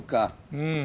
うん。